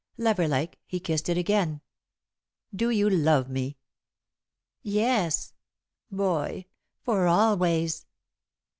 Lover like, he kissed it again. "Do you love me?" "Yes, Boy for always."